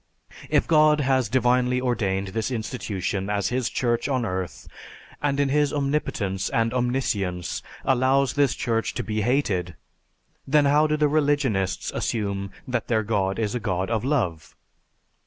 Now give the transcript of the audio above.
If God has divinely ordained this institution as His Church on earth, and in His omnipotence and omniscience allows this Church to be hated, then how do the religionists assume that their god is a god of love?